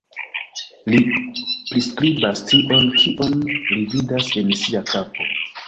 Li priskribas tion kion li vidas en sia kapo.